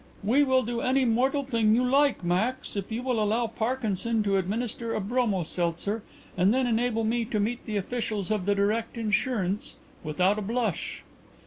"We will do any mortal thing you like, Max, if you will allow Parkinson to administer a bromo seltzer and then enable me to meet the officials of the Direct Insurance without a blush."